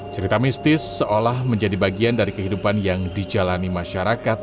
cerita mistis seolah menjadi bagian dari kehidupan yang dijalani masyarakat